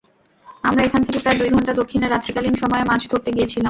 আমরা এখান থেকে প্রায় দুই ঘন্টা দক্ষিণে রাত্রিকালীন সময়ে মাছ ধরতে গিয়েছিলাম।